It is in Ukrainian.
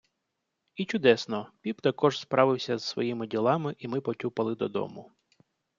I чудесно! Піп також справився з своїми ділами, i ми потюпали додому.